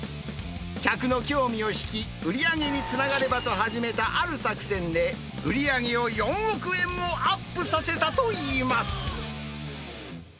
客の興味を引き、売り上げにつながればと始めたある作戦で、売り上げを４億円もアップさせたといいます。